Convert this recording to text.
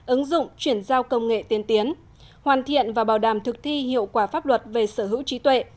ứng dụng chuyển giao công nghệ tiên tiến hoàn thiện và bảo đảm thực thi hiệu quả pháp luật về sở hữu trí tuệ